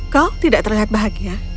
kau tidak terlihat bahagia